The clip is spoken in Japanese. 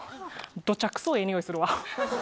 どちゃくそええ匂いするわ。